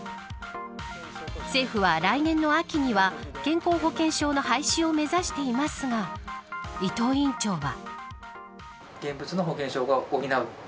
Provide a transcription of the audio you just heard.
政府は、来年の秋には健康保険証の廃止を目指していますが伊藤院長は。